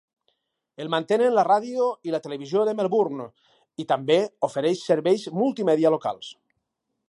El mantenen la ràdio i la televisió de Melbourne, i també ofereix serveis multimèdia locals.